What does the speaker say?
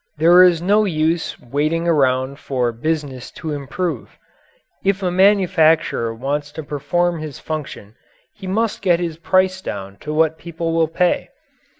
There is no use waiting around for business to improve. If a manufacturer wants to perform his function, he must get his price down to what people will pay.